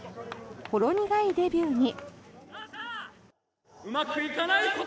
ほろ苦いデビューに。